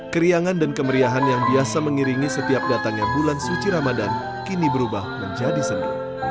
keriangan dan kemeriahan yang biasa mengiringi setiap datangnya bulan suci ramadan kini berubah menjadi seni